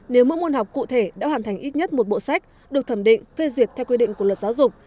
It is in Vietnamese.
nếu mỗi môn học cụ thể đã hoàn thành ít nhất một bộ sách được thẩm định phê duyệt theo quy định của luật giáo dục